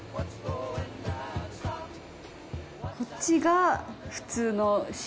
こっちが普通の塩。